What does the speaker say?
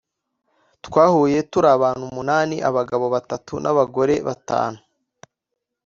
twahuye turi abantu umunani abagabo batatu n’abagore batanu